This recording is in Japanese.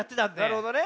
なるほどね。